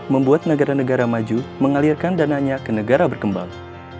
membuat negara negara maju mengalirkan dananya ke negara berkembang